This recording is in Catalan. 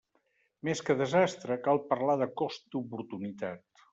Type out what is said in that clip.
Més que desastre, cal parlar de cost d'oportunitat.